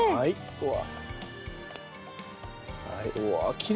うわ！